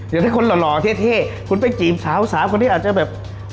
อย่างถ้าคนหล่อเท่คุณไปจีบสาวคนที่อาจจะแบบ